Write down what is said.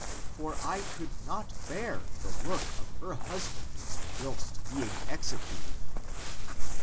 For I could not bear the look of her husband, whilst being executed."